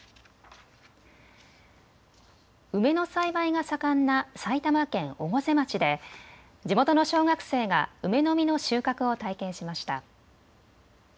梅の栽培が盛んな埼玉県越生町で地元の小学生が梅の実の収穫を体験しました。